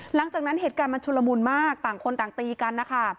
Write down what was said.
หลังจากนั้นเหตุการณ์มันชุลมุนมากต่างคนต่างตีกันนะคะ